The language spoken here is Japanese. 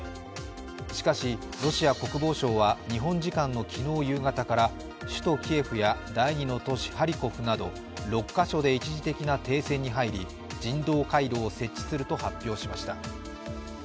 しかしロシア国防省は日本時間の昨日夕方から首都キエフや第２の都市ハリコフなど６カ所で一時的な停戦に入り人道回廊を設置すると発表しました。